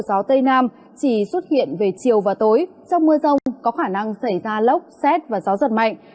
gió tây nam chỉ xuất hiện về chiều và tối trong mưa rông có khả năng xảy ra lốc xét và gió giật mạnh